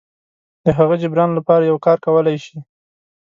د هغه جبران لپاره یو کار کولی شي.